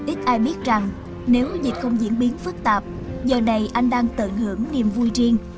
ít ai biết rằng nếu dịch không diễn biến phức tạp giờ này anh đang tận hưởng niềm vui riêng